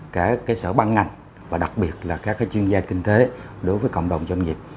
cả cái sở băng ngành và đặc biệt là các cái chuyên gia kinh tế đối với cộng đồng doanh nghiệp